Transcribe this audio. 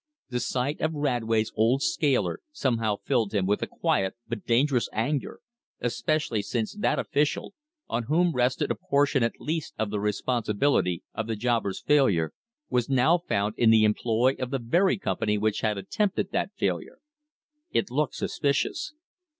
The sight of Radway's old scaler somehow filled him with a quiet but dangerous anger, especially since that official, on whom rested a portion at least of the responsibility of the jobber's failure, was now found in the employ of the very company which had attempted that failure. It looked suspicious.